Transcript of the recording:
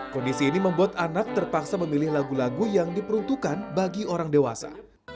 kondisi ini membuat anak terpaksa memilih lagu lagu yang diperuntukkan bagi orang dewasa